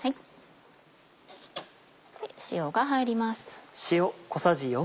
塩が入ります。